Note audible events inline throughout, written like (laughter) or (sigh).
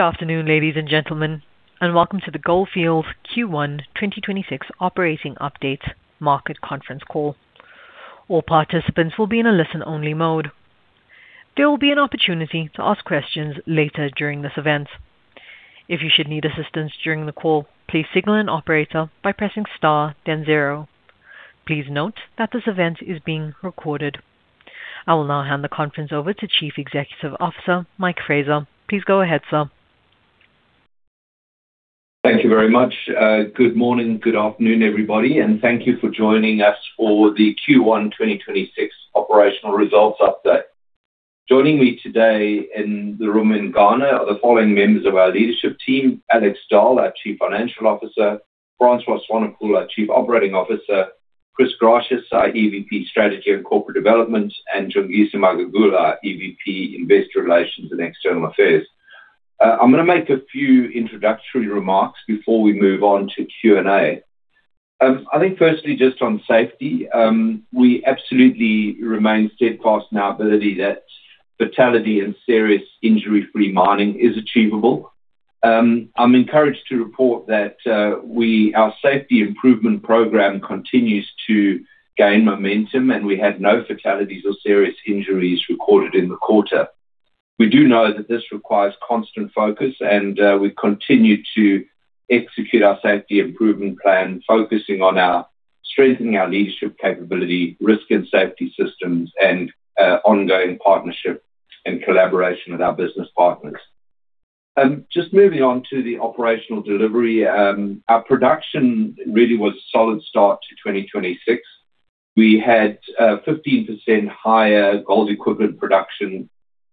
Good afternoon, ladies and gentlemen, and welcome to the Gold Fields Q1 2026 operating updates market conference call. All participants will be in a listen-only mode. There will be an opportunity to ask questions later during this event. I will now hand the conference over to Chief Executive Officer, Mike Fraser. Please go ahead, sir. Thank you very much. Good morning, good afternoon, everybody, and thank you for joining us for the Q1 2026 operational results update. Joining me today in the room in Ghana are the following members of our leadership team, Alex Dall, our Chief Financial Officer, Francois Swanepoel, our Chief Operating Officer, Chris Gratias, our EVP Strategy and Corporate Development, and Jongisa Magagula, EVP Investor Relations and External Affairs. I'm gonna make a few introductory remarks before we move on to Q&A. I think firstly, just on safety, we absolutely remain steadfast in our ability that fatality and serious injury-free mining is achievable. I'm encouraged to report that our safety improvement program continues to gain momentum, and we had no fatalities or serious injuries recorded in the quarter. We do know that this requires constant focus. We continue to execute our safety improvement plan, focusing on strengthening our leadership capability, risk and safety systems, and ongoing partnership and collaboration with our business partners. Just moving on to the operational delivery. Our production really was a solid start to 2026. We had 15% higher gold equivalent production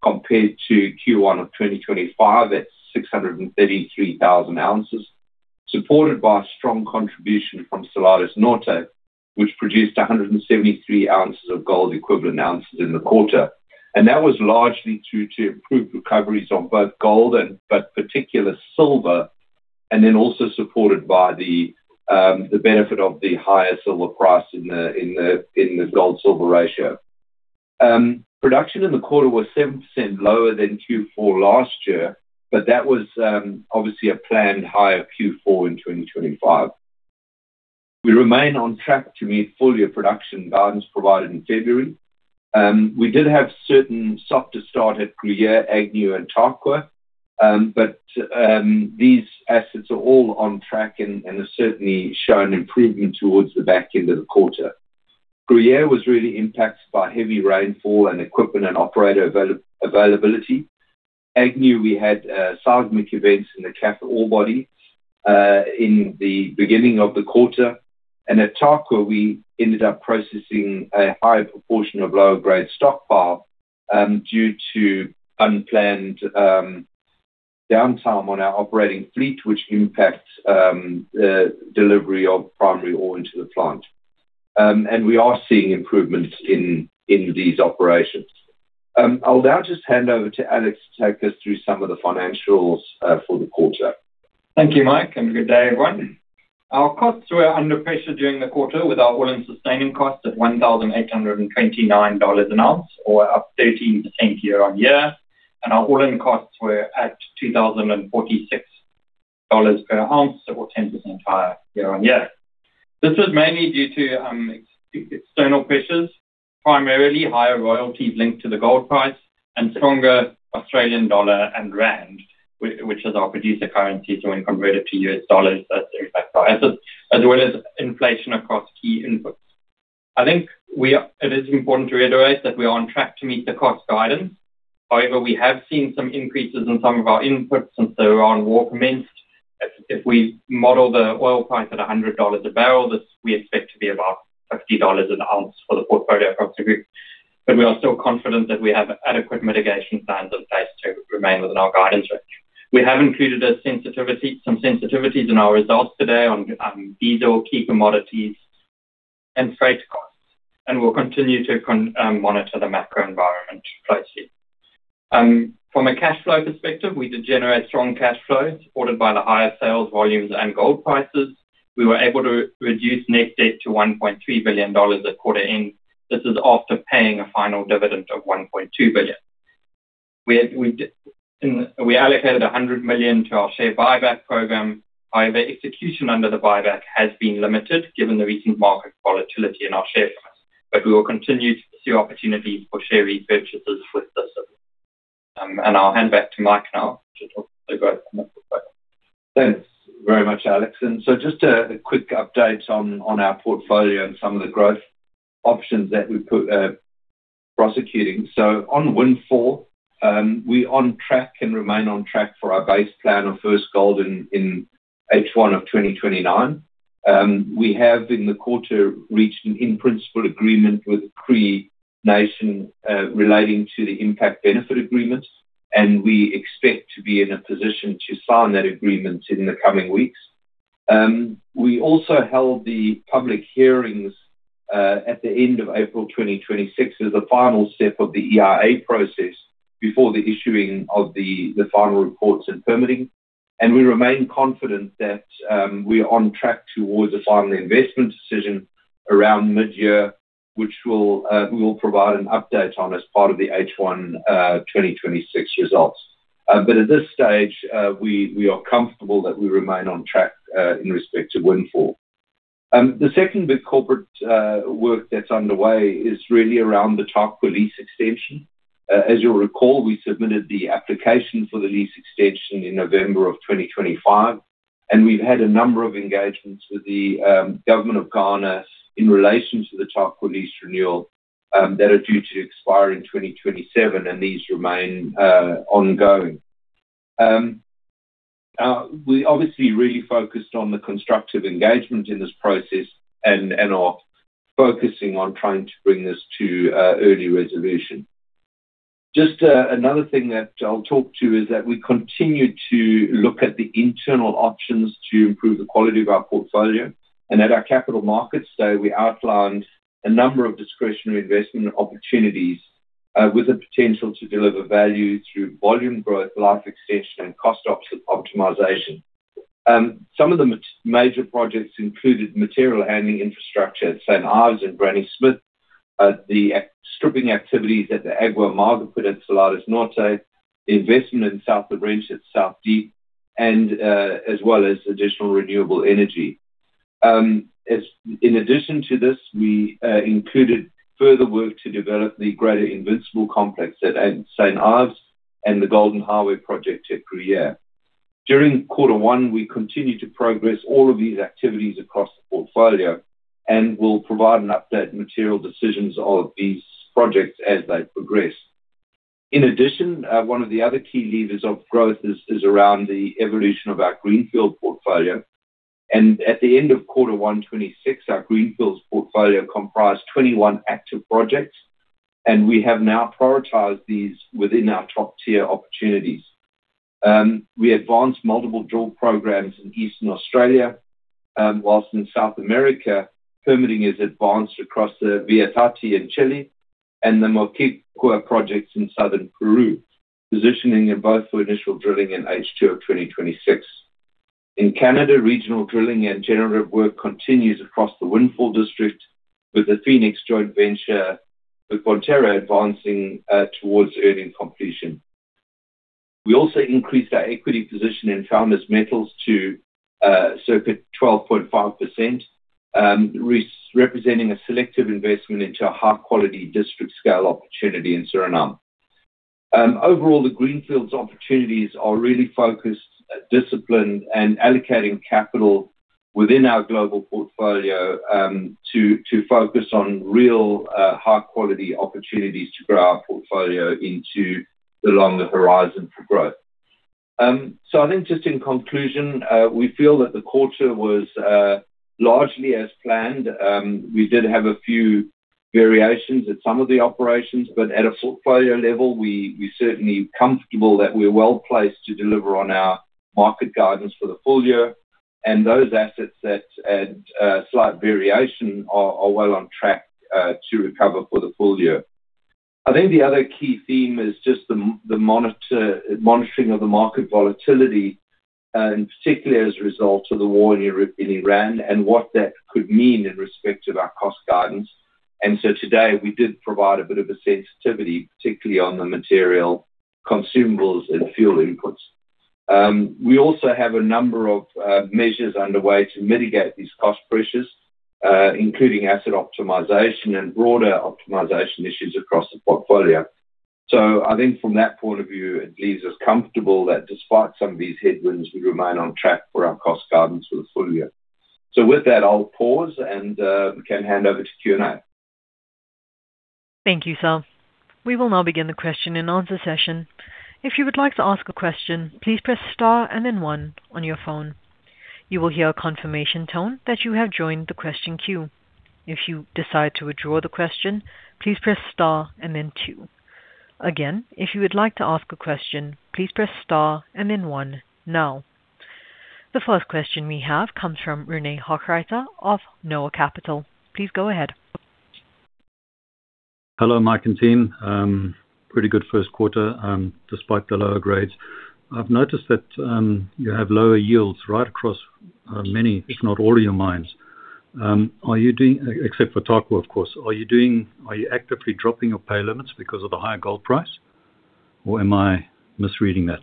compared to Q1 of 2025. That's 633,000 ounces, supported by strong contribution from Salares Norte, which produced 173 ounces of gold equivalent ounces in the quarter. That was largely due to improved recoveries on both gold, but particular silver, and also supported by the benefit of the higher silver price in the gold-silver ratio. Production in the quarter was 7% lower than Q4 last year, but that was obviously a planned higher Q4 in 2025. We remain on track to meet full-year production guidance provided in February. We did have certain softer start at Gruyere, Agnew, and Tarkwa. These assets are all on track and have certainly shown improvement towards the back end of the quarter. Gruyere was really impacted by heavy rainfall and equipment and operator availability. Agnew, we had seismic events in the Kath ore body in the beginning of the quarter. At Tarkwa, we ended up processing a high proportion of lower grade stockpile due to unplanned downtime on our operating fleet, which impacts delivery of primary ore into the plant. We are seeing improvements in these operations. I'll now just hand over to Alex to take us through some of the financials for the quarter. Thank you, Mike, and good day, everyone. Our costs were under pressure during the quarter with our all-in sustaining costs at $1,829 an ounce or up 13% year-on-year. Our all-in costs were at $2,046 per ounce or 10% higher year-on-year. This was mainly due to external pressures, primarily higher royalties linked to the gold price and stronger Australian dollar and rand, which is our producer currency. When converted to US dollars, that's the effect there. As well as inflation across key inputs. I think it is important to reiterate that we are on track to meet the cost guidance. However, we have seen some increases in some of our inputs since the Iran war commenced. If we model the oil price at $100 a barrel, this we expect to be about $50 an ounce for the portfolio cost of goods. We are still confident that we have adequate mitigation plans in place to remain within our guidance range. We have included some sensitivities in our results today on diesel, key commodities, and freight costs, and we'll continue to monitor the macro environment closely. From a cash flow perspective, we did generate strong cash flows supported by the higher sales volumes and gold prices. We were able to reduce net debt to $1.3 billion at quarter end. This is after paying a final dividend of $1.2 billion. We did and we allocated $100 million to our share buyback program. Execution under the buyback has been limited given the recent market volatility in our share price. We will continue to pursue opportunities for share repurchases with this. I'll hand back to Mike now to talk about. Thanks very much, Alex. Just a quick update on our portfolio and some of the growth options that we put prosecuting. On Windfall, we're on track and remain on track for our base plan of first gold in H1 of 2029. We have in the quarter reached an in-principle agreement with Cree Nation relating to the impact benefit agreements, and we expect to be in a position to sign that agreement in the coming weeks. We also held the public hearings at the end of April 2026 as a final step of the EIA process before the issuing of final reports and permitting. We remain confident that we are on track towards a final investment decision around mid-year, which we will provide an update on as part of the H1 2026 results. At this stage, we are comfortable that we remain on track in respect to Windfall. The second big corporate work that's underway is really around the Tarkwa lease extension. As you'll recall, we submitted the application for the lease extension in November of 2025, and we've had a number of engagements with the government of Ghana in relation to the Tarkwa lease renewal that are due to expire in 2027, and these remain ongoing. We obviously really focused on the constructive engagement in this process and are focusing on trying to bring this to early resolution. Just another thing that I'll talk to is that we continue to look at the internal options to improve the quality of our portfolio. At our capital markets day, we outlined a number of discretionary investment opportunities with the potential to deliver value through volume growth, life extension and cost optimization. Some of the major projects included material handling infrastructure at St. Ives and Granny Smith. The stripping activities at the Agua Amarga pit at Salares Norte, the investment in South of Wrench at South Deep and as well as additional renewable energy. In addition to this, we included further work to develop the greater Invincible complex at St. Ives and the Golden Highway project at Gruyere. During Q1, we continued to progress all of these activities across the portfolio and will provide an update on material decisions of these projects as they progress. In addition, one of the other key levers of growth is around the evolution of our greenfield portfolio. At the end of Q1 2026, our greenfields portfolio comprised 21 active projects, and we have now prioritized these within our top-tier opportunities. We advanced multiple drill programs in Eastern Australia. Whilst in South America, permitting is advanced across the Vieja Tati in Chile and the Moquegua projects in southern Peru, positioning in both for initial drilling in H2 of 2026. In Canada, regional drilling and generative work continues across the Windfall district with the Phoenix joint venture, with Bonterra advancing towards earning completion. We also increased our equity position in Founders Metals to circa 12.5%, representing a selective investment into a high-quality district scale opportunity in Suriname. Overall, the greenfields opportunities are really focused, disciplined, and allocating capital within our global portfolio, to focus on real, high-quality opportunities to grow our portfolio into the longer horizon for growth. I think just in conclusion, we feel that the quarter was largely as planned. We did have a few variations at some of the operations, but at a portfolio level, we're certainly comfortable that we're well-placed to deliver on our market guidance for the full-year. Those assets that had slight variation are well on track to recover for the full-year. I think the other key theme is just the monitoring of the market volatility, particularly as a result of the war in Iran and what that could mean in respect to our cost guidance. Today, we did provide a bit of a sensitivity, particularly on the material consumables and fuel inputs. We also have a number of measures underway to mitigate these cost pressures, including asset optimization and broader optimization issues across the portfolio. I think from that point of view, it leaves us comfortable that despite some of these headwinds, we remain on track for our cost guidance for the full-year. With that, I'll pause and can hand over to Q&A. Thank you, sir. We will now begin the question-and-answer session. If you would like to ask a question, please press star and then one on your phone. You will hear a confirmation tone that you have joined the question queue. If you decide to withdraw the question, please press star and then two. Again, if you would like to ask a question, please press star and then one now. The first question we have comes from René Hochreiter of Noah Capital. Please go ahead. Hello, Mike and team. Pretty good Q1, despite the lower grades. I've noticed that you have lower yields right across many, if not all, of your mines. Except for Tarkwa, of course. Are you actively dropping your pay limits because of the higher gold price, or am I misreading that?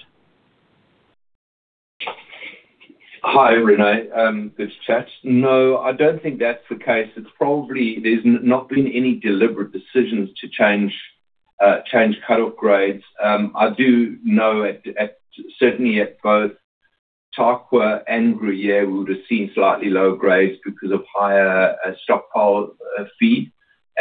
Hi, René. Good chat. No, I don't think that's the case. It's probably there's not been any deliberate decisions to change cut-off grades. I do know at, certainly at both Tarkwa and Gruyere, we would have seen slightly lower grades because of higher stockpile feed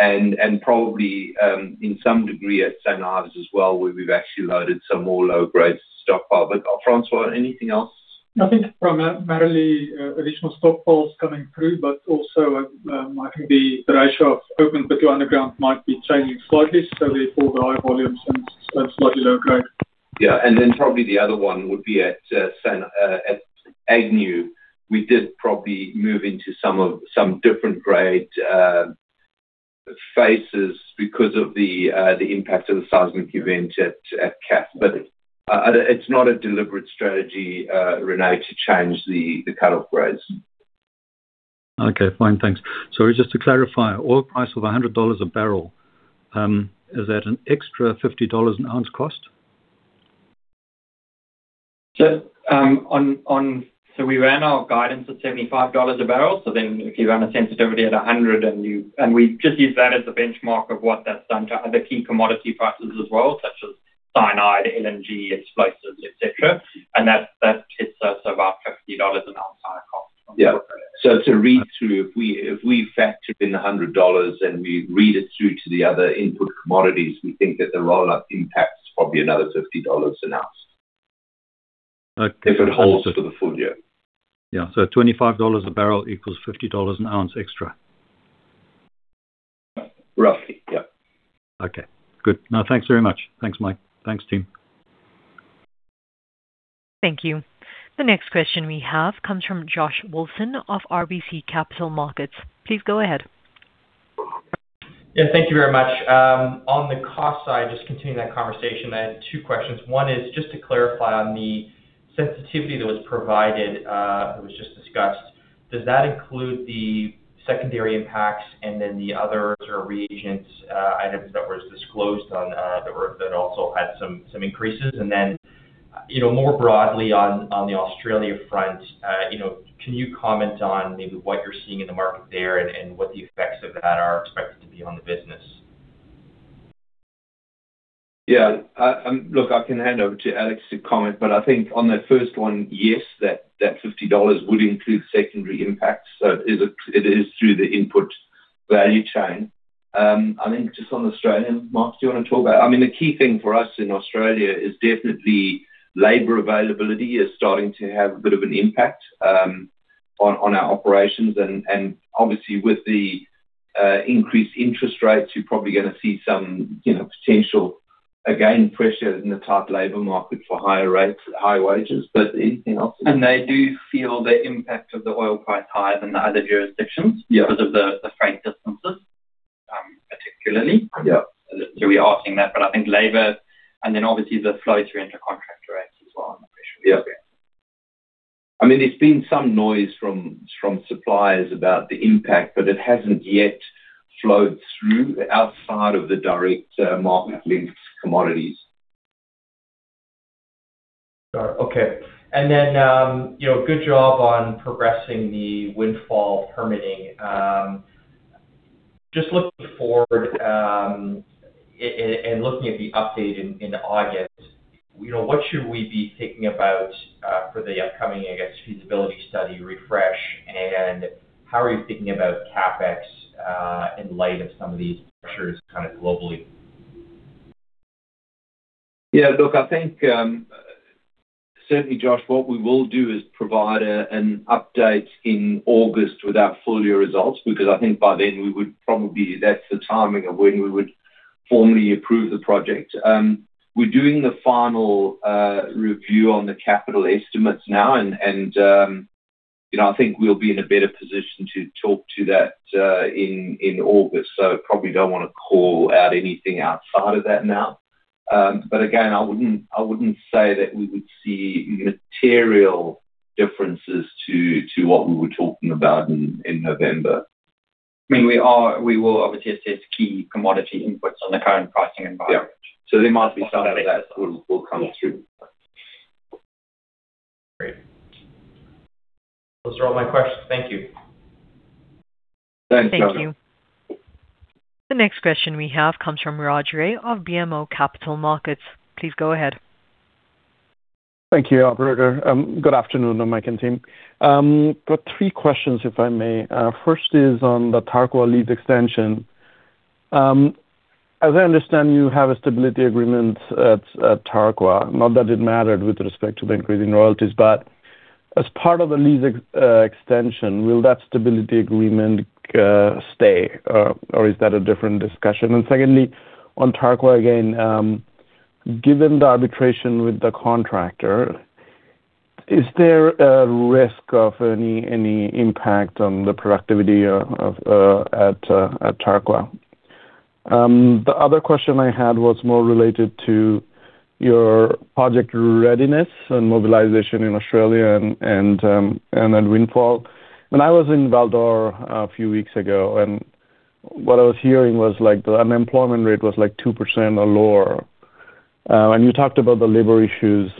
and, probably, in some degree at St. Ives as well, where we've actually loaded some more low-grade stockpile. Francois, anything else? I think primarily, additional stockpiles coming through, but also, I think the ratio of open pit to underground might be changing slightly, so therefore the higher volumes and so slightly lower grade. Yeah. Probably the other one would be at Agnew. We did probably move into some different grades, Faces because of the impact of the seismic event at Cap. It's not a deliberate strategy, René, to change the cut-off grades. Okay. Fine. Thanks. Sorry, just to clarify, oil price of $100 a barrel, is that an extra $50 an ounce cost? Just on our guidance at $75 a barrel. If you run a sensitivity at $100, and we just use that as a benchmark of what that's done to other key commodity prices as well, such as cyanide, LNG, explosives, et cetera. That hits us about $50 an ounce higher cost. Yeah. To read through, if we factored in $100 and we read it through to the other input commodities, we think that the rollout impact is probably another $50 an ounce. Okay. If it holds for the full-year. Yeah. $25 a barrel equals $50 an ounce extra. Roughly, yeah. Okay. Good. No, thanks very much. Thanks, Mike. Thanks, team. Thank you. The next question we have comes from Josh Wolfson of RBC Capital Markets. Please go ahead. Yeah, thank you very much. On the cost side, just continuing that conversation, I had two questions. One is just to clarify on the sensitivity that was provided, that was just discussed. Does that include the secondary impacts and then the other sort of regions, items that was disclosed on, that also had some increases? You know, more broadly on the Australia front, you know, can you comment on maybe what you're seeing in the market there and what the effects of that are expected to be on the business? Yeah. Look, I can hand over to Alex to comment. I think on that first one, yes, that $50 would include secondary impacts. It is, it is through the input value chain. I think just on Australia, Mark, do you wanna talk about it? I mean, the key thing for us in Australia is definitely labor availability is starting to have a bit of an impact on our operations. Obviously, with the increased interest rates, you're probably gonna see some, you know, potential, again, pressure in the tight labor market for higher rates, higher wages. Anything else? They do feel the impact of the oil price higher than the other jurisdictions. Yeah. Because of the freight distances, particularly. Yeah. We are seeing that, but I think labor and then obviously the flow through into contractor rates as well on the pressure. Yeah. I mean, there's been some noise from suppliers about the impact, but it hasn't yet flowed through outside of the direct, market-linked commodities. Sure. Okay. You know, good job on progressing the Windfall permitting. Just looking forward, and looking at the update in August, you know, what should we be thinking about for the upcoming, I guess, feasibility study refresh? How are you thinking about CapEx in light of some of these pressures kinda globally? Yeah. Look, I think, certainly, Josh, what we will do is provide an update in August with our full-year results, because I think by then we would probably, that's the timing of when we would formally approve the project. We're doing the final review on the capital estimates now. You know, I think we'll be in a better position to talk to that in August. Probably don't wanna call out anything outside of that now. Again, I wouldn't say that we would see material differences to what we were talking about in November. I mean, We will obviously assess key commodity inputs on the current pricing environment. Yeah. There might be some of that will come through. Great. Those are all my questions. Thank you. Thanks, Josh. Thank you. The next question we have comes from Raj Ray of BMO Capital Markets. Please go ahead. Thank you, operator. Good afternoon, Mike and team. Got three questions, if I may. First is on the Tarkwa lease extension. As I understand, you have a stability agreement at Tarkwa. Not that it mattered with respect to the increase in royalties, as part of the lease extension, will that stability agreement stay, or is that a different discussion? Secondly, on Tarkwa again, given the arbitration with the contractor, is there a risk of any impact on the productivity at Tarkwa? The other question I had was more related to your project readiness and mobilization in Australia and then Windfall. When I was in Val d'Or a few weeks ago, what I was hearing was, like, the unemployment rate was, like, 2% or lower. You talked about the labor issues.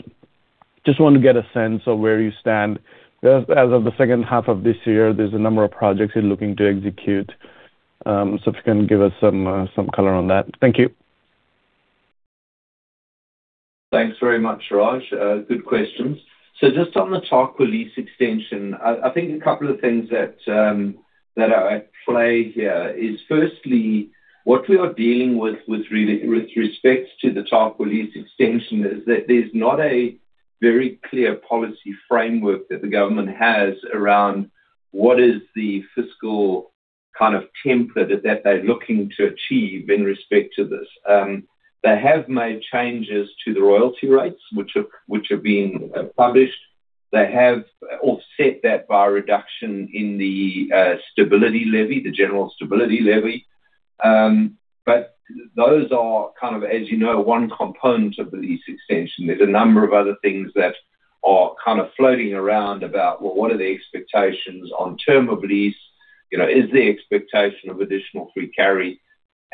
Just want to get a sense of where you stand. As of the H2 of this year, there's a number of projects you're looking to execute. If you can give us some color on that. Thank you. Thanks very much, Raj. Good questions. Just on the Tarkwa lease extension, I think a couple of things that are at play here is firstly, what we are dealing with respect to the Tarkwa lease extension is that there's not a very clear policy framework that the government has around what is the fiscal kind of template that they're looking to achieve in respect to this. They have made changes to the royalty rates, which are being published. They have offset that by a reduction in the Stability Levy, the general Stability Levy. Those are kind of, as you know, one component of the lease extension. There's a number of other things that are kind of floating around about what are the expectations on term of lease. You know, is there expectation of additional free carry?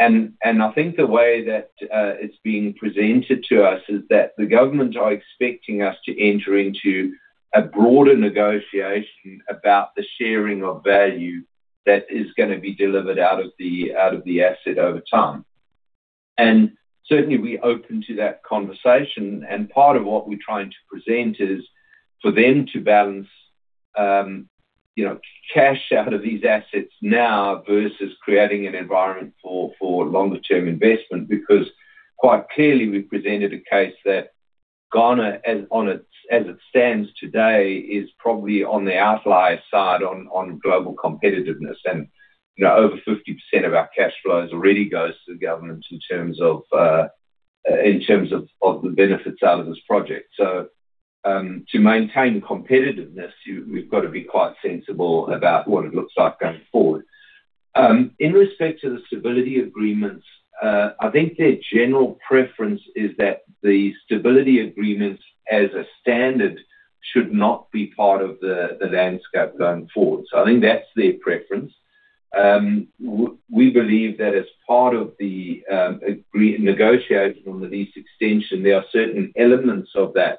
I think the way that it's being presented to us is that the government are expecting us to enter into a broader negotiation about the sharing of value that is gonna be delivered out of the asset over time. Certainly, we're open to that conversation. Part of what we're trying to present is for them to balance, you know, cash out of these assets now versus creating an environment for longer term investment. Quite clearly, we've presented a case that Ghana, as it stands today, is probably on the outlier side on global competitiveness. You know, over 50% of our cash flows already goes to the government in terms of the benefits out of this project. To maintain competitiveness, we've got to be quite sensible about what it looks like going forward. In respect to the stability agreements, I think their general preference is that the stability agreements as a standard should not be part of the landscape going forward. I think that's their preference. We believe that as part of the negotiation on the lease extension, there are certain elements of that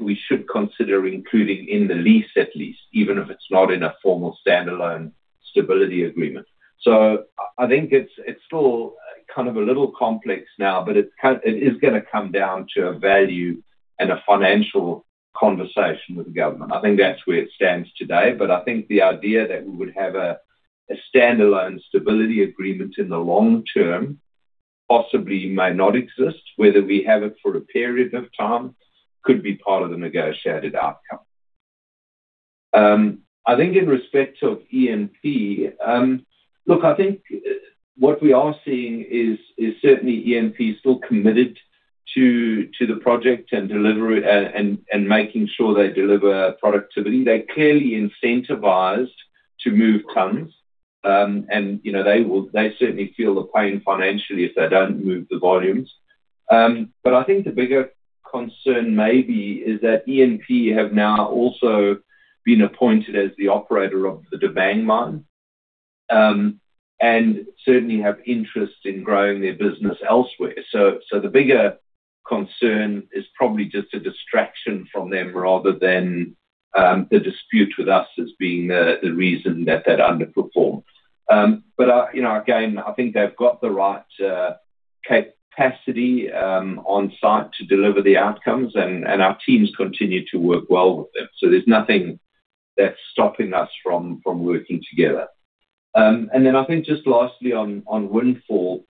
we should consider including in the lease, at least, even if it's not in a formal standalone stability agreement. I think it's still kind of a little complex now, but it is gonna come down to a value and a financial conversation with the government. I think that's where it stands today. I think the idea that we would have a standalone stability agreement in the long term possibly may not exist. Whether we have it for a period of time could be part of the negotiated outcome. I think in respect of ENP, look, I think what we are seeing is certainly ENP is still committed to the project and delivery and making sure they deliver productivity. They're clearly incentivized to move tons. And you know, they certainly feel the pain financially if they don't move the volumes. I think the bigger concern maybe is that ENP have now also been appointed as the operator of the Damang mine and certainly have interest in growing their business elsewhere. The bigger concern is probably just a distraction from them rather than the dispute with us as being the reason that they're underperformed. You know, again, I think they've got the right capacity on site to deliver the outcomes, and our teams continue to work well with them. There's nothing that's stopping us from working together. I think just lastly on Windfall,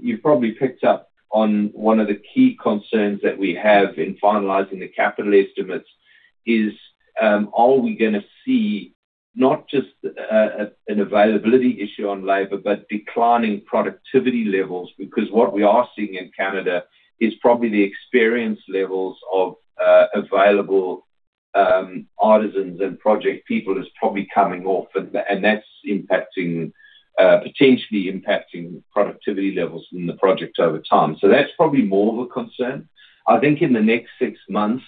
you've probably picked up on one of the key concerns that we have in finalizing the capital estimates is, are we gonna see not just an availability issue on labor, but declining productivity levels? What we are seeing in Canada is probably the experience levels of available artisans and project people is probably coming off, and that's impacting, potentially impacting productivity levels in the project over time. That's probably more of a concern. I think in the next six months,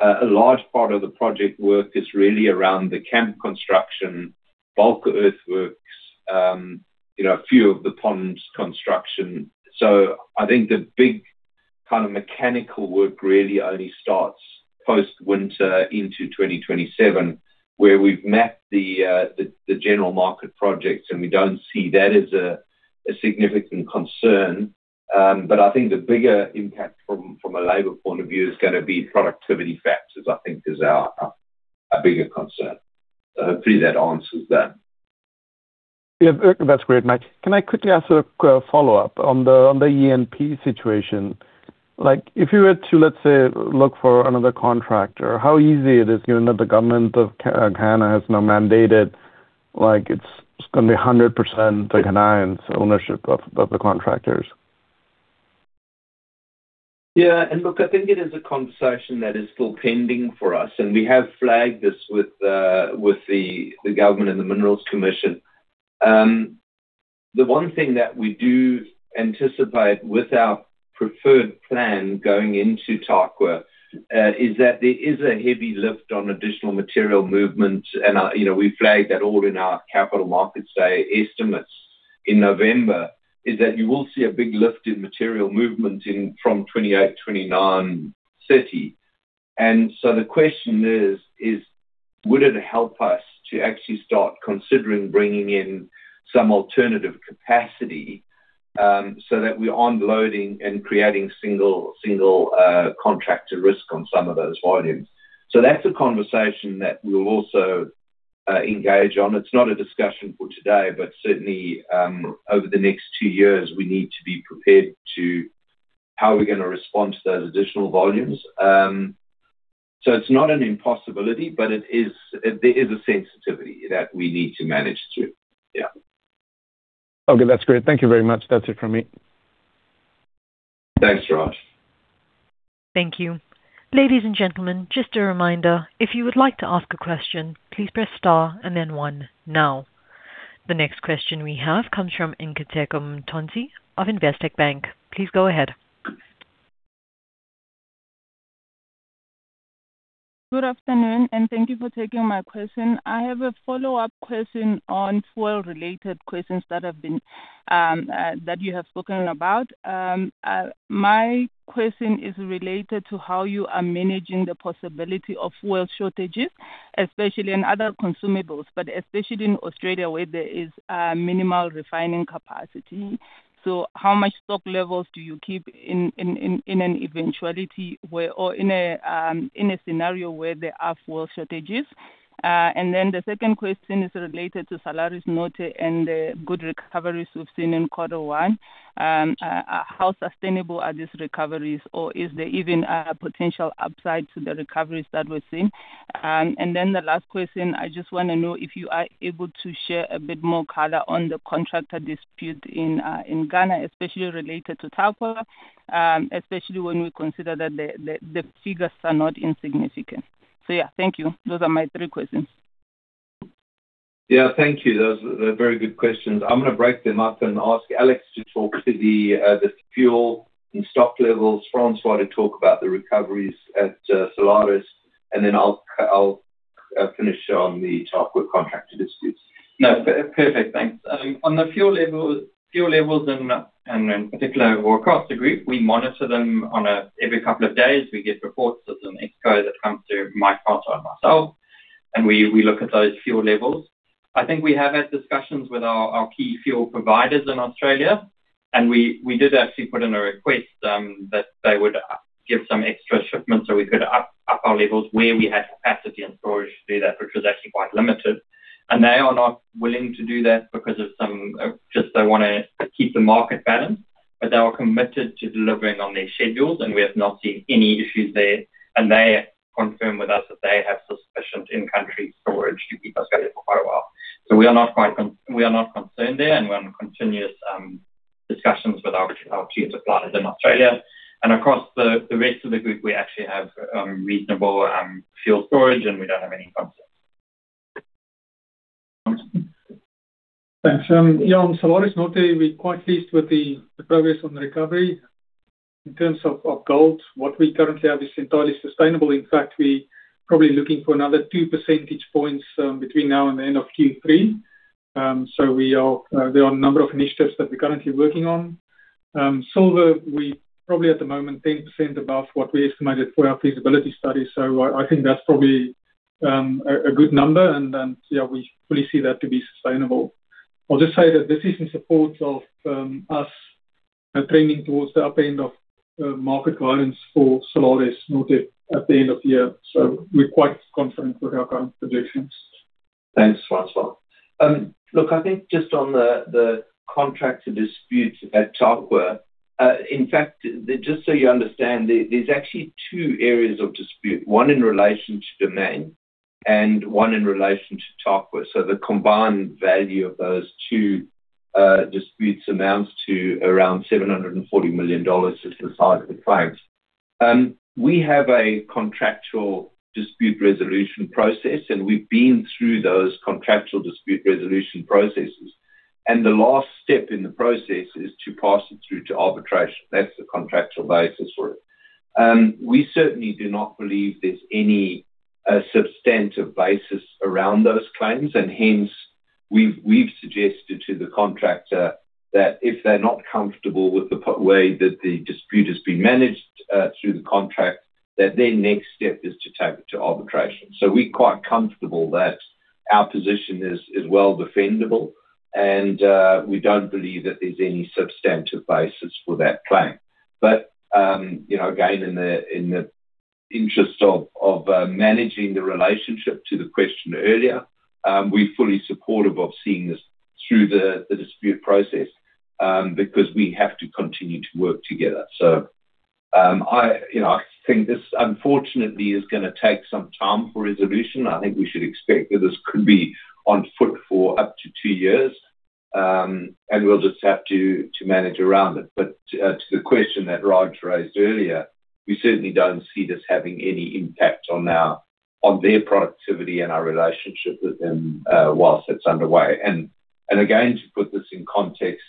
a large part of the project work is really around the camp construction, bulk earthworks, you know, a few of the ponds construction. I think the big kind of mechanical work really only starts post-winter into 2027, where we've mapped the general market projects, and we don't see that as a significant concern. I think the bigger impact from a labor point of view is gonna be productivity factors, I think is our bigger concern. Hopefully that answers that. Yeah. That's great, Mike. Can I quickly ask a follow-up on the ENP situation? Like, if you were to, let's say, look for another contractor, how easy it is given that the government of Ghana has now mandated, like it's just gonna be 100% the Ghanaians ownership of the contractors? Yeah. Look, I think it is a conversation that is still pending for us, and we have flagged this with the government and the Minerals Commission. The one thing that we do anticipate with our preferred plan going into Tarkwa is that there is a heavy lift on additional material movement. You know, we flagged that all in our capital markets day estimates in November, is that you will see a big lift in material movement in from 2028, 2029 city. The question is, would it help us to actually start considering bringing in some alternative capacity so that we're unloading and creating single contractor risk on some of those volumes? That's a conversation that we'll also engage on. It's not a discussion for today. Certainly, over the next two years, we need to be prepared to how we're going to respond to those additional volumes. It's not an impossibility, but there is a sensitivity that we need to manage through. Yeah. Okay. That's great. Thank you very much. That's it from me. Thanks, Raj. Thank you. Ladies and gentlemen, just a reminder, if you would like to ask a question, please press star and then one now. The next question we have comes from Nkateko Mathonsi of Investec Bank. Please go ahead. Good afternoon, thank you for taking my question. I have a follow-up question on fuel-related questions that have been that you have spoken about. My question is related to how you are managing the possibility of fuel shortages, especially in other consumables, but especially in Australia where there is minimal refining capacity. How much stock levels do you keep in an eventuality where or in a scenario where there are fuel shortages? The second question is related to Salares Norte and the good recoveries we've seen in Q1. How sustainable are these recoveries, or is there even a potential upside to the recoveries that we're seeing? The last question, I just want to know if you are able to share a bit more color on the contractor dispute in Ghana, especially related to Tarkwa, especially when we consider that the figures are not insignificant. Thank you. Those are my three questions. Yeah. Thank you. Those are very good questions. I'm gonna break them up and ask Alex to talk to the fuel and stock levels, Francois to talk about the recoveries at Salares, and then I'll finish on the Tarkwa contractor disputes. No. Perfect, thanks. On the fuel levels in, and in particular across the group, we monitor them on a every couple of days. We get reports as an Exco that comes through Mike Carter and myself, and we look at those fuel levels. I think we have had discussions with our key fuel providers in Australia, and we did actually put in a request that they would give some extra shipments, so we could up our levels where we had capacity and storage to do that, which was actually quite limited. They are not willing to do that because of some, just they wanna keep the market balanced. They are committed to delivering on their schedules, and we have not seen any issues there. They confirm with us that they have sufficient in-country storage to keep Australia for quite a while. We are not quite concerned there, and we're on continuous discussions with our fuel suppliers in Australia. Across the rest of the group, we actually have reasonable fuel storage, and we don't have any concerns. Thanks. On Salares Norte, we're quite pleased with the progress on the recovery. In terms of gold, what we currently have is entirely sustainable. We probably looking for another 2 percentage points between now and the end of Q3. There are a number of initiatives that we're currently working on. Silver, we probably at the moment 10% above what we estimated for our feasibility study. I think that's probably a good number. We fully see that to be sustainable. I'll just say that this is in support of us trending towards the upper end of market guidance for Salares Norte at the end of year. We're quite confident with our current projections. Thanks, Francois. Look, I think just on the contractor disputes at Tarkwa, in fact, just so you understand, there's actually two areas of dispute, one in relation to Damang and one in relation to Tarkwa. The combined value of those two disputes amounts to around $740 million just the size of the claims. We have a contractual dispute resolution process, and we've been through those contractual dispute resolution processes. The last step in the process is to pass it through to arbitration. That's the contractual basis for it. We certainly do not believe there's any substantive basis around those claims. Hence, we've suggested to the contractor that if they're not comfortable with the way that the dispute is being managed through the contract, that their next step is to take it to arbitration. We're quite comfortable that our position is well defendable and we don't believe that there's any substantive basis for that claim. You know, again, in the interest of managing the relationship to the question earlier, we're fully supportive of seeing this through the dispute process because we have to continue to work together. I, you know, I think this unfortunately is gonna take some time for resolution. I think we should expect that this could be on foot for up to two years, and we'll just have to manage around it. To the question that Raj Ray raised earlier, we certainly don't see this having any impact on our, on their productivity and our relationship with them whilst it's underway. Again, to put this in context,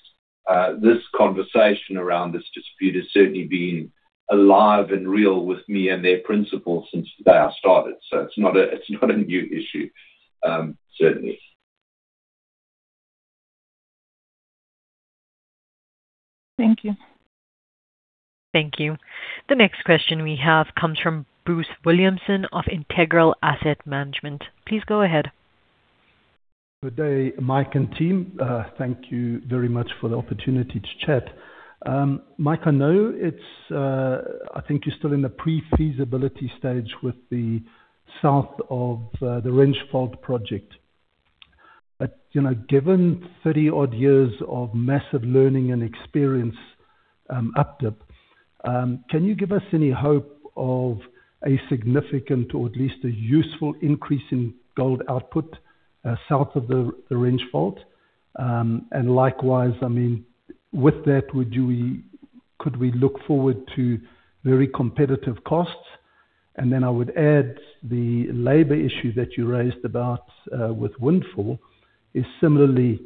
this conversation around this dispute has certainly been alive and real with me and their principals since the day I started. It's not a new issue, certainly. Thank you. Thank you. The next question we have comes from Bruce Williamson of Integral Asset Management. Please go ahead. Good day, Mike and team. Thank you very much for the opportunity to chat. Mike, I know it's, I think you're still in the pre-feasibility stage with the south of the Wrench Fault project. You know, given 30-odd years of massive learning and experience, up dip, can you give us any hope of a significant or at least a useful increase in gold output, south of the Wrench Fault? Likewise, I mean, with that, could we look forward to very competitive costs? Then I would add the labor issue that you raised about with Windfall is similarly,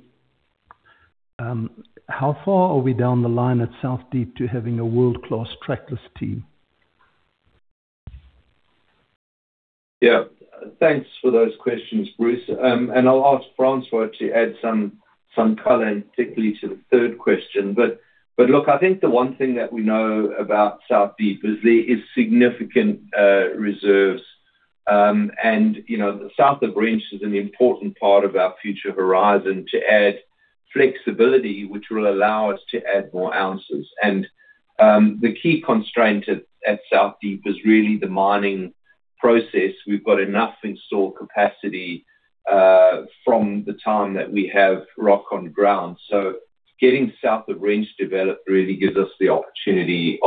how far are we down the line at South Deep to having a world-class trackless team? Yeah. Thanks for those questions, Bruce. I'll ask Francois to add some color, and particularly to the third question. Look, I think the one thing that we know about South Deep is there is significant reserves. You know, the South of Wrench is an important part of our future horizon to add flexibility, which will allow us to add more ounces. The key constraint at South Deep is really the mining process. We've got enough in store capacity, from the time that we have rock on ground. Getting South of Wrench developed really gives us the opportunity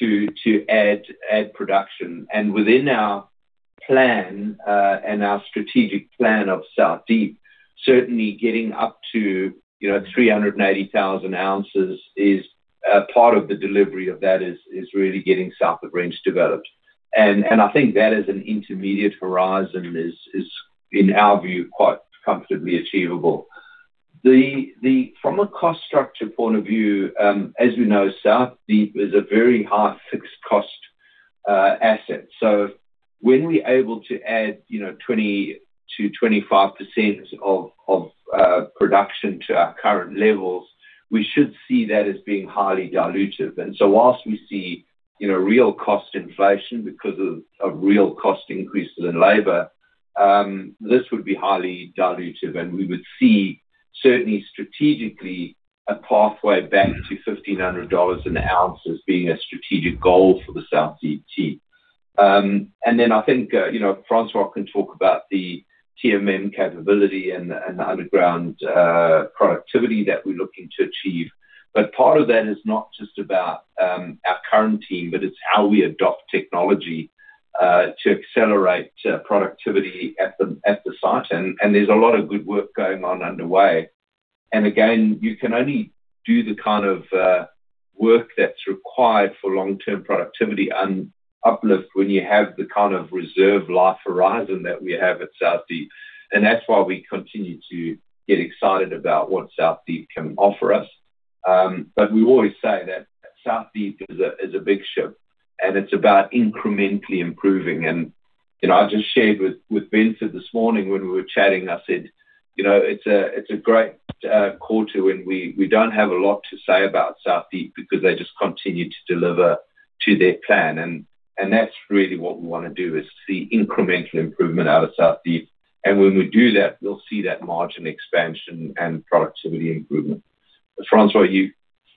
to add production. Within our plan, and our strategic plan of South Deep, certainly getting up to, you know, 380,000 ounces is part of the delivery of that is really getting South of Wrench developed. I think that as an intermediate horizon is, in our view, quite comfortably achievable. From a cost structure point of view, as we know, South Deep is a very high fixed cost asset. When we're able to add, you know, 20%-25% of production to our current levels, we should see that as being highly dilutive. Whilst we see, you know, real cost inflation because of real cost increases in labor, this would be highly dilutive, and we would see certainly strategically a pathway back to $1,500 an ounce as being a strategic goal for the South Deep team. Then I think, you know, Francois can talk about the TMM capability and the underground productivity that we're looking to achieve. Part of that is not just about our current team, but it's how we adopt technology to accelerate productivity at the site. There's a lot of good work going on underway. Again, you can only do the kind of work that's required for long-term productivity and uplift when you have the kind of reserve life horizon that we have at South Deep. That's why we continue to get excited about what South Deep can offer us. But we always say that South Deep is a big ship, and it's about incrementally improving. You know, I just shared with Vincent this morning when we were chatting, I said, "You know, it's a great quarter when we don't have a lot to say about South Deep because they just continue to deliver to their plan." That's really what we wanna do, is see incremental improvement out of South Deep. When we do that, we'll see that margin expansion and productivity improvement. Francois, you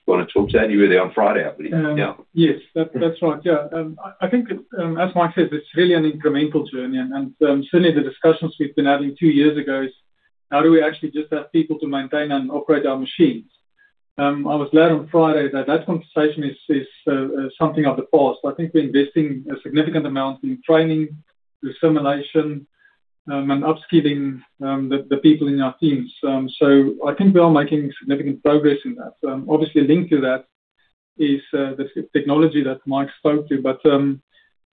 wanna talk to that? You were there on Friday, I believe. Yeah. Yes. That's right. As Mike says, it's really an incremental journey. Certainly the discussions we've been having two years ago is how do we actually just have people to maintain and operate our machines? I was glad on Friday that that conversation is something of the past. I think we're investing a significant amount in training, through simulation, and upskilling the people in our teams. I think we are making significant progress in that. Obviously linked to that is the technology that Mike spoke to.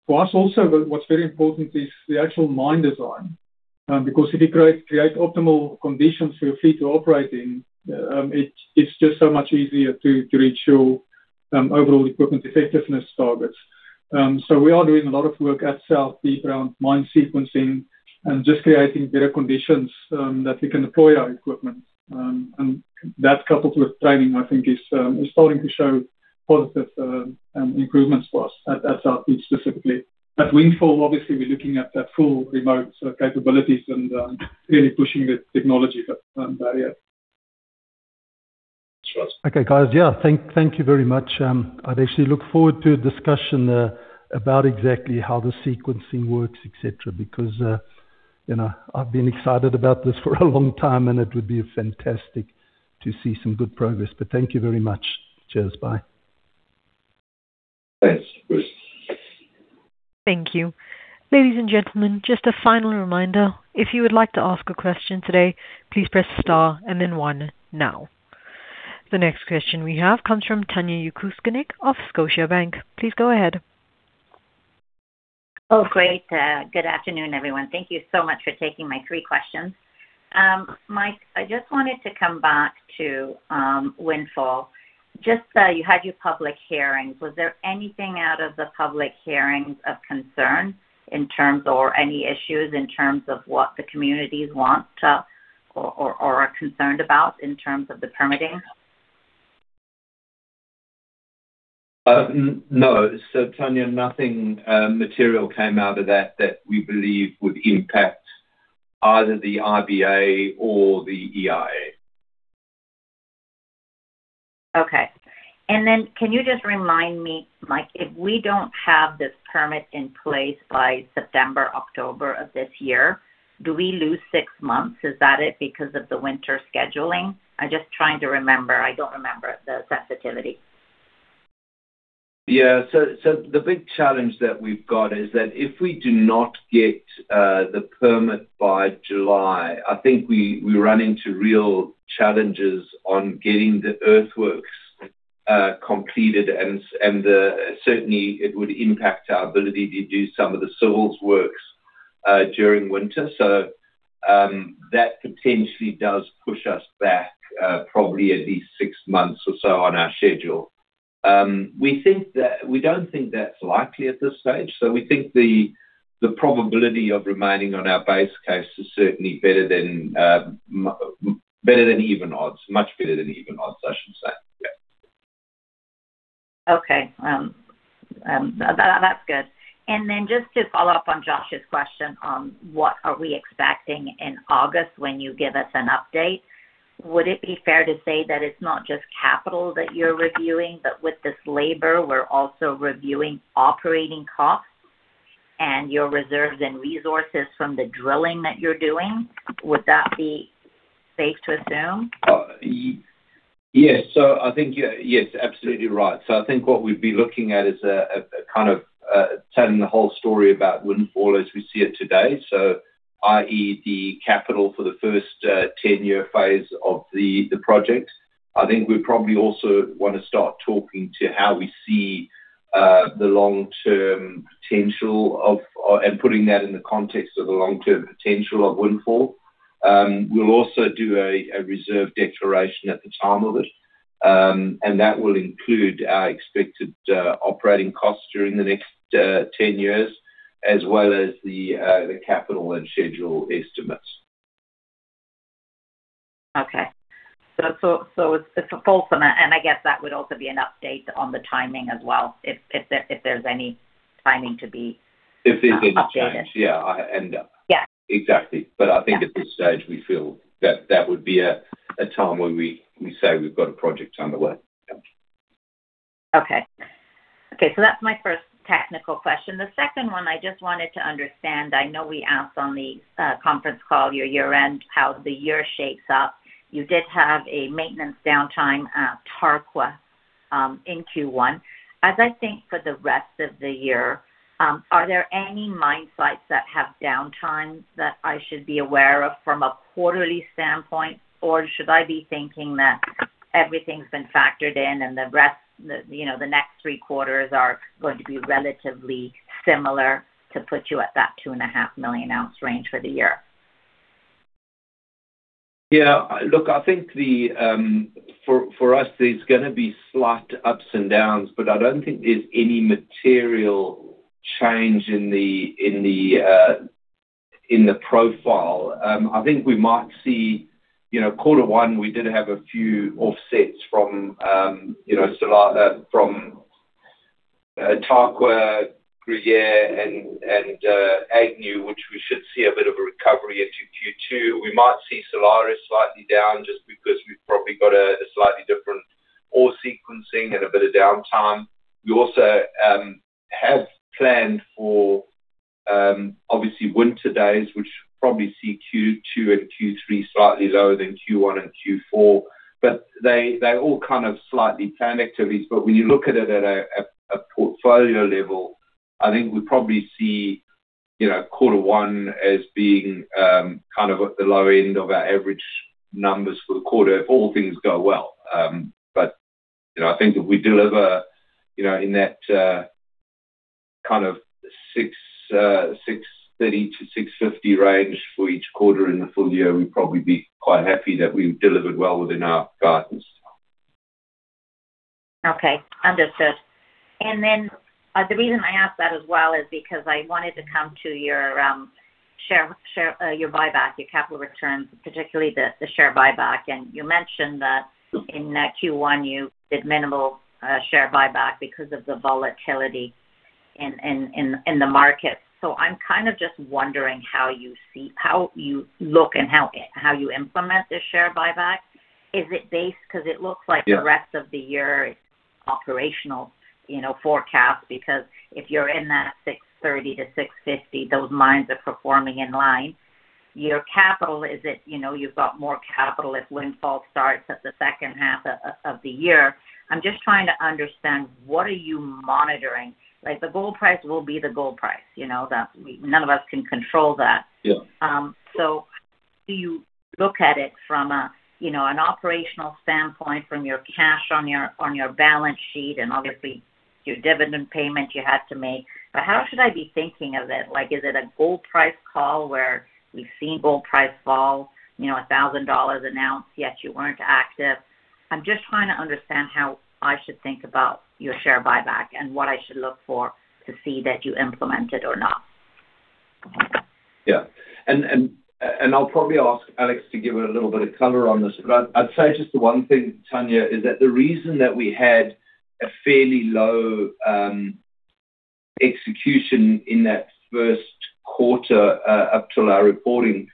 For us also, what's very important is the actual mine design. Because if you create optimal conditions for your fleet to operate in, it's just so much easier to reach your overall equipment effectiveness targets. We are doing a lot of work at South Deep around mine sequencing and just creating better conditions that we can deploy our equipment. That coupled with training, I think is starting to show positive improvements for us at South Deep specifically. At Windfall, obviously, we're looking at that full remote sort of capabilities and really pushing the technology for that area. That's right. Okay, guys. Yeah. Thank you very much. I'd actually look forward to a discussion about exactly how the sequencing works, et cetera, because, you know, I've been excited about this for a long time, and it would be fantastic to see some good progress. Thank you very much. Cheers. Bye. Thanks, Bruce. Thank you. Ladies and gentlemen, just a final reminder. If you would like to ask a question today, please press star and then one now. The next question we have comes from Tanya Jakusconek of Scotiabank. Please go ahead. Oh, great. Good afternoon, everyone. Thank you so much for taking my three questions. Mike, I just wanted to come back to Windfall. You had your public hearings. Was there anything out of the public hearings of concern in terms or any issues in terms of what the communities want, or are concerned about in terms of the permitting? No. Tanya, nothing material came out of that that we believe would impact either the IBA or the EIA. Okay. Can you just remind me, Mike, if we don't have this permit in place by September, October of this year, do we lose six months? Is that it because of the winter scheduling? I'm just trying to remember. I don't remember the sensitivity. Yeah. The big challenge that we've got is that if we do not get the permit by July, I think we run into real challenges on getting the earthworks completed. Certainly it would impact our ability to do some of the civils works during winter. That potentially does push us back probably at least six months or so on our schedule. We don't think that's likely at this stage. We think the probability of remaining on our base case is certainly better than even odds. Much better than even odds, I should say. Okay. that's good. Just to follow up on Josh's question on what are we expecting in August when you give us an update. Would it be fair to say that it's not just capital that you're reviewing, but with this labor, we're also reviewing operating costs and your reserves and resources from the drilling that you're doing? Would that be safe to assume? Yes. I think, yeah. Yes, absolutely right. I think what we'd be looking at is a kind of, telling the whole story about Windfall as we see it today, i.e., the capital for the first, 10-year phase of the project. I think we probably also wanna start talking to how we see the long-term potential of, and putting that in the context of the long-term potential of Windfall. We'll also do a reserve declaration at the time of it. That will include our expected operating costs during the next 10 years, as well as the capital and schedule estimates. Okay. It's a full sum, and I guess that would also be an update on the timing as well if there's any timing. If there's any change. Updated. Yeah. Yeah. Exactly. I think at this stage we feel that that would be a time where we say we've got a project underway. Okay. That's my first technical question. The second one, I just wanted to understand, I know we asked on the conference call, your year-end, how the year shapes up. You did have a maintenance downtime at Tarkwa in Q1. As I think for the rest of the year, are there any mine sites that have downtime that I should be aware of from a quarterly standpoint? Should I be thinking that everything's been factored in and the rest, you know, the next three quarters are going to be relatively similar to put you at that 2.5 million ounce range for the year? I think the for us, there's going to be slight ups and downs, but I don't think there's any material change in the profile. I think we might see, you know, Q1, we did have a few offsets from Salares, from Tarkwa, Gruyere and Agnew, which we should see a bit of a recovery into Q2. We might see Salares slightly down just because we've probably got a slightly different ore sequencing and a bit of downtime. We also have planned for obviously winter days, which probably see Q2 and Q3 slightly lower than Q1 and Q4, but they all kind of slightly plan activities. When you look at it at a portfolio level, I think we probably see, you know, Q1 as being kind of at the low end of our average numbers for the quarter if all things go well. You know, I think if we deliver, you know, in that 630-650 range for each quarter in the full-year, we'd probably be quite happy that we've delivered well within our guidance. Okay. Understood. The reason I ask that as well is because I wanted to come to your share buyback, your capital returns, particularly the share buyback. You mentioned that in that Q1, you did minimal share buyback because of the volatility in the market. I'm kind of just wondering how you see, how you look and how you implement the share buyback. Is it based 'cause t looks like- Yeah. The rest of the year operational, you know, forecast, because if you're in that 630 to 650, those mines are performing in line. Your capital is at, you know, you've got more capital if Windfall starts at the H2 of the year. I'm just trying to understand what are you monitoring? Like the gold price will be the gold price, you know, that none of us can control that. Yeah. Do you look at it from a, you know, an operational standpoint from your cash on your balance sheet and obviously your dividend payment you had to make, but how should I be thinking of it? Like, is it a gold price call where we've seen gold price fall, you know, $1,000 an ounce, yet you weren't active? I'm just trying to understand how I should think about your share buyback and what I should look for to see that you implement it or not? Yeah. I'll probably ask Alex to give a little bit of color on this, but I'd say just the one thing, Tanya, is that the reason that we had a fairly low execution in that Q1 up till our reporting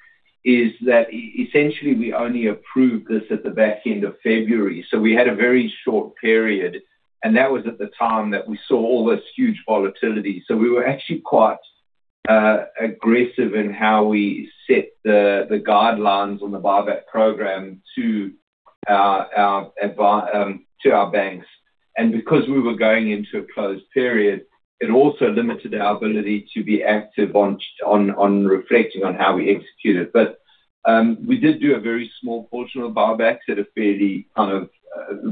is that essentially we only approved this at the back end of February. We had a very short period, and that was at the time that we saw all this huge volatility. We were actually quite aggressive in how we set the guidelines on the buyback program to our banks. Because we were going into a closed period, it also limited our ability to be active on reflecting on how we execute it. We did do a very small portion of buybacks at a fairly, kind of,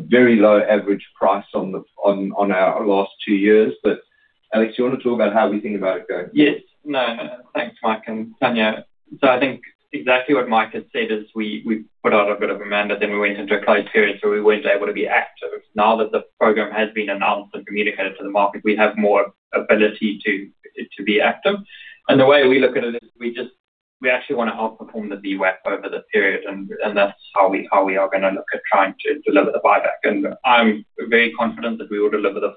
very low average price on our last two years. Alex, you wanna talk about how we think about it going forward? Yes. Thanks, Mike and Tanya. I think exactly what Mike has said is we put out a bit of a mandate, then we went into a closed period, so we weren't able to be active. Now that the program has been announced and communicated to the market, we have more ability to be active. The way we look at it is we actually wanna outperform the VWAP over the period, and that's how we are gonna look at trying to deliver the buyback. I'm very confident that we will deliver the.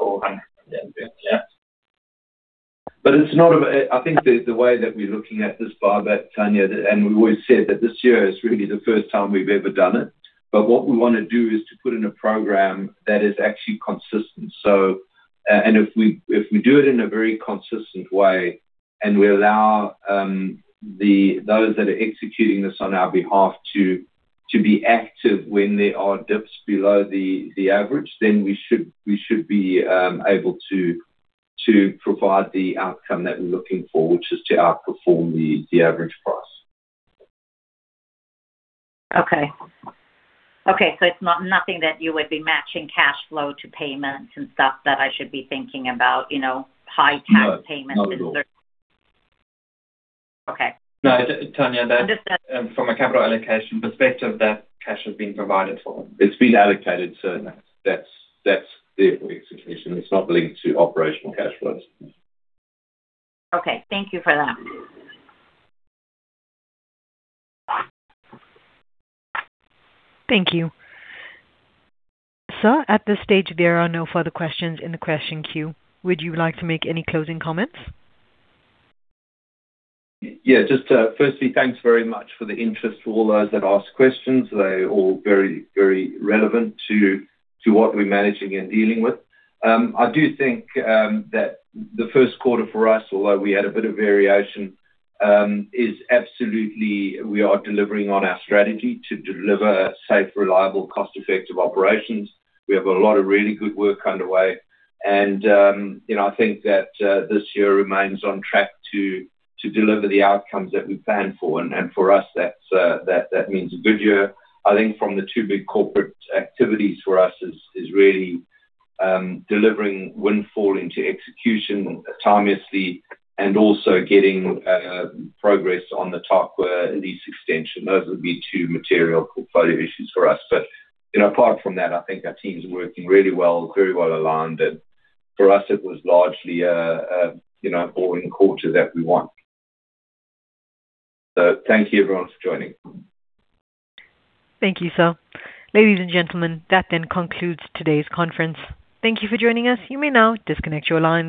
(inaudible) Yeah. It's not a I think the way that we're looking at this buyback, Tanya, and we've always said that this year is really the first time we've ever done it. What we wanna do is to put in a program that is actually consistent. If we do it in a very consistent way and we allow those that are executing this on our behalf to be active when there are dips below the average, then we should be able to provide the outcome that we're looking for, which is to outperform the average price. Okay. Okay, it's not nothing that you would be matching cash flow to payments and stuff that I should be thinking about, you know, high cash payments. No, not at all. Okay. Tanya. Understood. From a capital allocation perspective, that cash has been provided for. It's been allocated, so that's the execution. It's not linked to operational cash flows. Okay. Thank you for that. Thank you. Sir, at this stage, there are no further questions in the question queue. Would you like to make any closing comments? Yes. Firstly, thanks very much for the interest to all those that asked questions. They're all very relevant to what we're managing and dealing with. I do think that the Q1 for us, although we had a bit of variation, is absolutely we are delivering on our strategy to deliver safe, reliable, cost-effective operations. We have a lot of really good work underway. You know, I think that this year remains on track to deliver the outcomes that we planned for. For us, that's that means a good year. I think from the two big corporate activities for us is really delivering windfall into execution timeously and also getting progress on the Tarkwa lease extension. Those would be two material portfolio issues for us. You know, apart from that, I think our team's working really well, very well aligned. For us, it was largely a, you know, boring quarter that we want. Thank you everyone for joining. Thank you, sir. Ladies and gentlemen, that concludes today's conference. Thank you for joining us. You may now disconnect your lines.